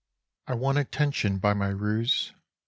" I won attention by my ruse.